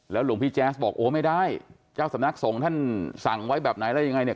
หลวงพี่แจ๊สบอกโอ้ไม่ได้เจ้าสำนักสงฆ์ท่านสั่งไว้แบบไหนแล้วยังไงเนี่ย